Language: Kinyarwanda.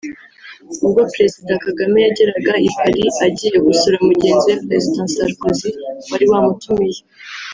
ubwo President Kagame yageraga i Paris agiye gusura mugenzi we President Sarkozy wari wamutumiye